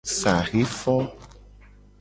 Saxe fo.